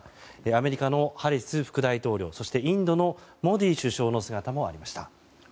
アメリカのハリス副大統領そしてインドのモディ首相の姿もありました。